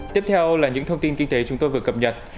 tiếp theo là những thông tin kinh tế chúng tôi vừa cập nhật